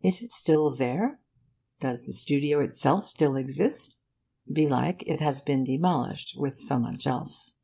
Is it there still? Does the studio itself still exist? Belike it has been demolished, with so much else.